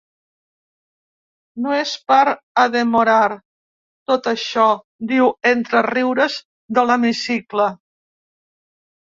No és per a demorar tot això, diu entre riures de l’hemicicle.